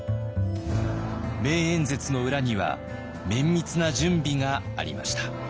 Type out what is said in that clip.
名演説の裏には綿密な準備がありました。